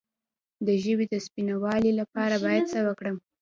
د ژبې د سپینوالي لپاره باید څه وکړم؟